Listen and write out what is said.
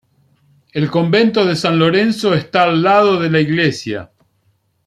El convento de San Lorenzo está al lado de la iglesia.